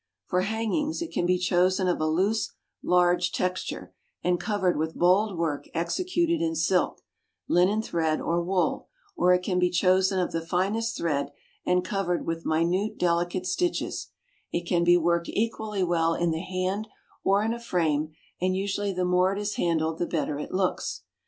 For hangings it can be chosen of a loose large texture, and covered with bold work executed in silk, linen thread, or wool, or it can be chosen of the finest thread, and covered with minute delicate stitches; it can be worked equally well in the hand, or in a frame, and usually the more it is handled the better it looks.